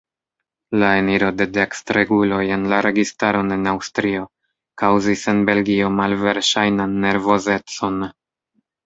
La eniro de dekstreguloj en la registaron en Aŭstrio kaŭzis en Belgio malverŝajnan nervozecon.